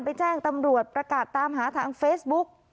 แจ้งตำรวจประกาศตามหาทางเฟซบุ๊ก